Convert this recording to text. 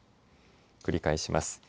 繰り返します。